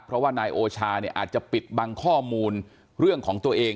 เพราะว่านายโอชาเนี่ยอาจจะปิดบังข้อมูลเรื่องของตัวเอง